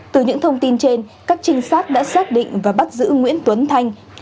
từ những thông tin trên các trinh sát đã xác định và bắt giữ nguyễn tuấn thanh